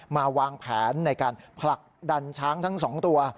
มาวางแผนในการผลักดันช้างทั้ง๒ตัว